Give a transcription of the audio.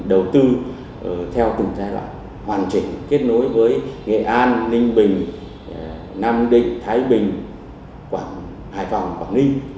các chuyến đoạn hai thì đã đầu tư là hoàn chỉnh kết nối với nghệ an ninh bình nam định thái bình hải phòng quảng ninh